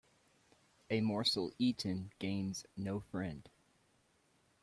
A morsel eaten gains no friend